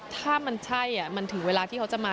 ถ้ามันใช่มันถึงเวลาที่เขาจะมา